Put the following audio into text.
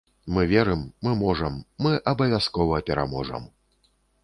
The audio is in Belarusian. Мы верым, мы можам, мы абавязкова пераможам.